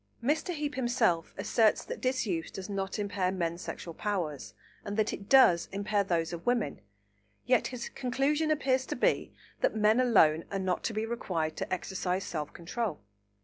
Mr. Heape himself asserts that disuse does not impair men's sexual powers, and that it does impair those of women; yet his conclusion appears to be that men alone are not to be required to exercise self control.